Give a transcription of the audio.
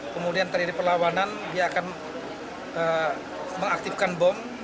kemudian terjadi perlawanan dia akan mengaktifkan bom